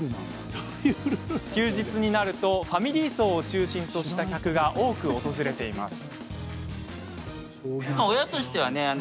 休日になるとファミリー層を中心とした客が多く訪れています。